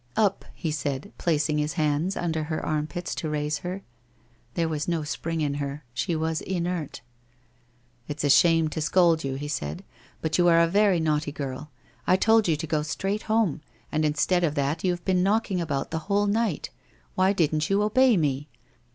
'Up!' he said placing his hands under her arm pits, to raise her. There was no spring in her. She was inert. ' It's a shame to scold you/ he said. ' But you are a very naughty girl. I told you to go straight home, and instead WHITE ROSE OF WEARY LEAF 249 of that, you have been knocking about the whole night. "Why didn't you obey me?